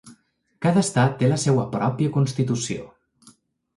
Cada estat té la seva pròpia constitució.